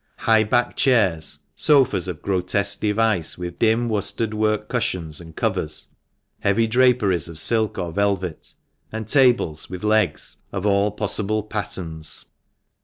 High backed chairs, sofas of grotesque device with dim worsted work cushions and covers, heavy draperies of silk or velvet, and tables with legs of all possible patterns.